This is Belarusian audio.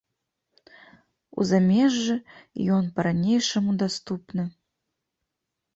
У замежжы ён па-ранейшаму даступны.